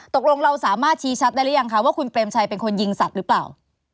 ตกลงเราสามารถชี้ชัดได้หรือยังคะว่าคุณเปรมชัยเป็นคนยิงสัตว์หรือเปล่า